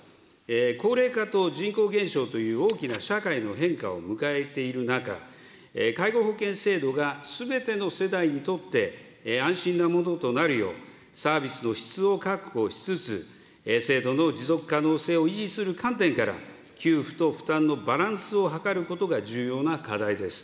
高齢化と人口減少という大きな社会の変化を迎えている中、介護保険制度がすべての世代にとって安心なものとなるよう、サービスの質を確保しつつ、制度の持続可能性を維持する観点から、給付と負担のバランスを図ることが重要な課題です。